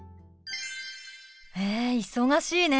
へえ忙しいね。